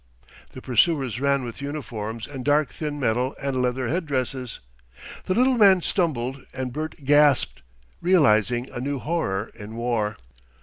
The pursuers ran with uniforms and dark thin metal and leather head dresses. The little man stumbled, and Bert gasped, realising a new horror in war.